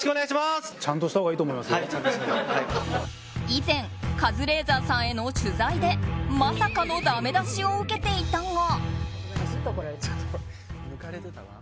以前カズレーザーさんへの取材でまさかのだめ出しを受けていたが。